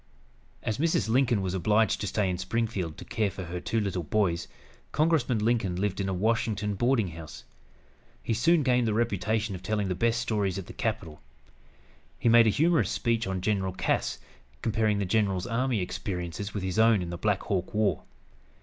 As Mrs. Lincoln was obliged to stay in Springfield to care for her two little boys, Congressman Lincoln lived in a Washington boarding house. He soon gained the reputation of telling the best stories at the capital. He made a humorous speech on General Cass, comparing the general's army experiences with his own in the Black Hawk War.